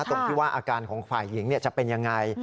ตรงที่ว่าอาการของฝ่ายหญิงจะเป็นยังไง